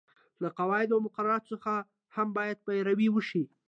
له قواعدو او مقرراتو څخه هم باید پیروي وشي.